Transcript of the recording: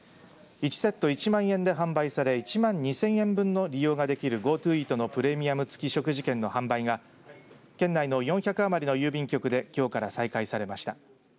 １セット１万円で販売され１万２０００円分の利用ができるＧｏＴｏイートのプレミアム付き食事券の販売が県内の４００余りの郵便局できょうから再開されました。